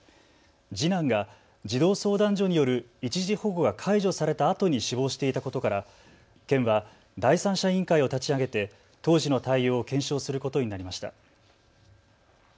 次男が児童相談所による一時保護が解除されたあとに死亡していたことから県は第三者委員会を立ち上げて当時の対応を検証することになりました。